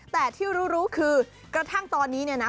แต่ที่รู้คือกระทั่งตอนนี้นะ